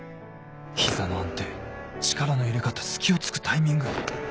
膝の安定力の入れ方隙を突くタイミング